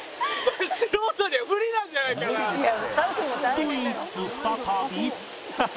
と言いつつ再び